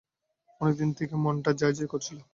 অনেক দিন থেকেই মনটা যাই-যাই করছিল।